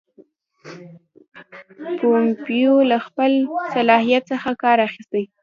پومپیو له خپل صلاحیت څخه کار اخیستی.